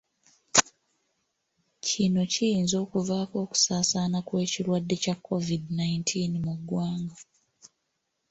Kino kiyinza okuvaako okusaasaana kw'ekirwadde kya COVID nineteen mu ggwanga.